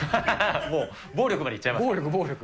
もう暴力までいっちゃいます暴力、暴力。